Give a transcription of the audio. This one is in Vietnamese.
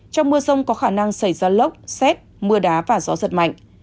trong mưa rông có khả năng xảy ra lốc xét mưa đá và gió giật mạnh